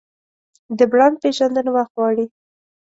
د برانډ پیژندنه وخت غواړي.